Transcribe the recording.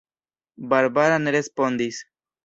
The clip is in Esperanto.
Barbara ne respondis.